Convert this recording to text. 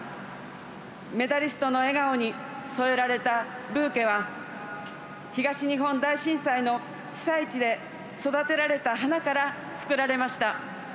メダリストの笑顔に添えられたブーケは東日本大震災の被災地で育てられた花から作られました。